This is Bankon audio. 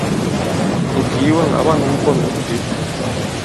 Ŋ̀kìi wɛ̂ŋ à wa᷇n wuɓɔn wu pǐp.